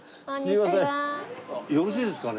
よろしいですかね？